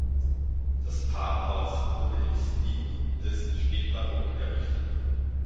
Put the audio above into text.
Das Pfarrhaus wurde im Stil des Spätbarock errichtet.